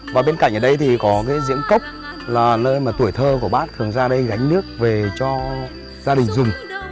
và bên cạnh ở đây thì có cái diễm cốc là nơi mà tuổi thơ của bác thường ra đây gánh nước về cho gia đình dùng